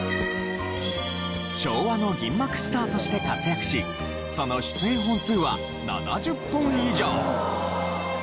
昭和の銀幕スターとして活躍しその出演本数は７０本以上。